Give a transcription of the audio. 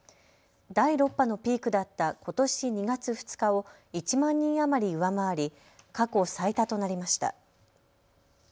第６波のピークだったことし２月２日を１万人余り上回り、過去最多となりました。